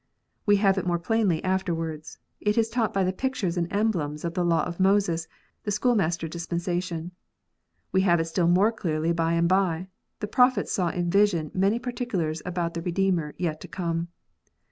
We have it more plainly afterwards : it is taught by the pictures and emblems of the law of Moses, the schoolmaster dis pensation. We have it still more clearly by and by : the Prophets saw in vision many particulars about the Redeemer yet to come.